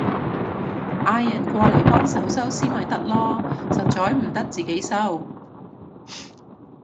嗌人過嚟幫手收屍咪得囉，實在唔得自己收